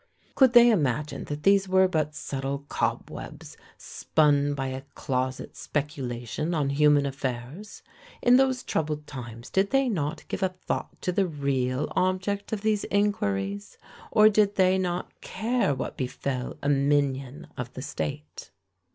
Could they imagine that these were but subtle cobwebs, spun by a closet speculation on human affairs? In those troubled times did they not give a thought to the real object of these inquiries? or did they not care what befel a minion of the state?